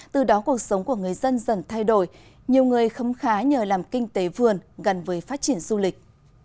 từ đó cuộc sống của người dân dần thay đổi nhiều người khấm khá nhờ làm kinh tế vườn gần với phát triển du lịch